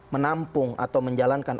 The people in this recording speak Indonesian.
menampung atau menjalankan